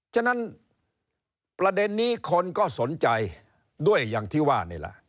ฉะนั้นประเด็นนี้คนก็สนใจด้วยอย่างที่ว่านี่แหละ